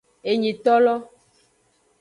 Enyitolo.